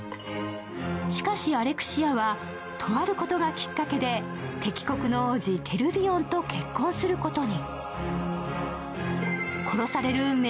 しかし、アレクシアはとあることがきっかけで、敵国の王子・テルビオンと結婚することに。